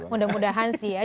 mudah mudahan sih ya